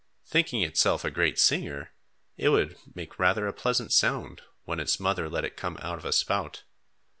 Thinking itself a great singer, it would make rather a pleasant sound, when its mother let it come out of a spout.